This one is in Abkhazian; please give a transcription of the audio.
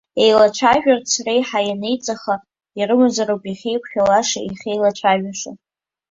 Еицәажәаларц, реиҳа ианеиҵаха ирымазароуп иахьеиқәшәалаша, иахьеицәажәалаша.